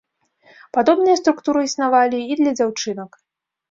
Падобныя структуры існавалі і для дзяўчынак.